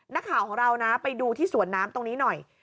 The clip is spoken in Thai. นักข่าวของเรานะไปดูที่สวนน้ำตรงนี้หน่อย